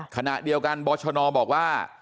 ขณะเดียวกันบชนบอกว่า